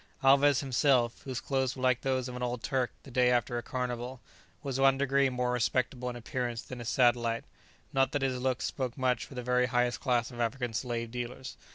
Alvez himself, whose clothes were like those of an old Turk the day after a carnival, was one degree more respectable in appearance than his satellite, not that his looks spoke much for the very highest class of African slave dealers.